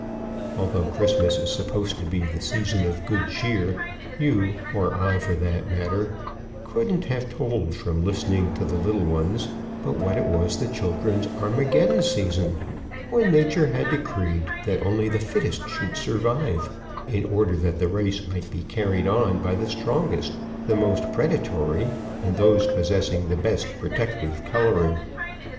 Although Christmas is supposed to be the season of good cheer, you (or I, for that matter) couldn't have told, from listening to the little ones, but what it was the children's Armageddon season, when Nature had decreed that only the fittest should survive, in order that the race might be carried on by the strongest, the most predatory and those posessing the best protective coloring.